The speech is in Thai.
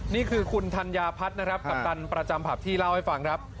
นี่คือคุณธัญญาพัฒน์นะครับกัปตันประจำผับที่เล่าให้ฟังครับ